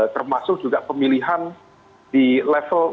termasuk juga pemilihan di level